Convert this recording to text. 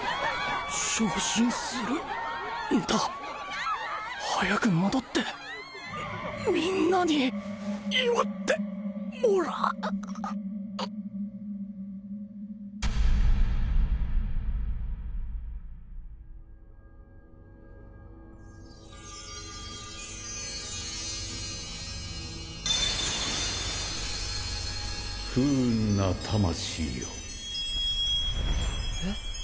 昇進するんだ早く戻ってみんなに祝ってもら不運な魂よえっ？